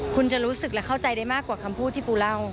คุณจะรู้สึกและเข้าใจได้มากกว่าคำพูดที่ปูเล่า